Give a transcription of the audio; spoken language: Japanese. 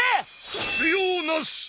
必要なし！